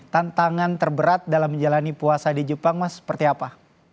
tantangan terberat dalam menjalani puasa di jepang mas seperti apa